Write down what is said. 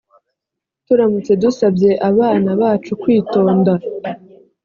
turamutse dusabye abana bacu kwitonda